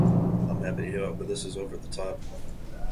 I'm happy to help, but this is over the top!